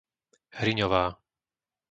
Hriňová